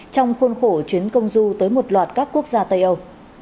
trong khuôn khổ chuyến công du tới một loạt các quốc gia tây âu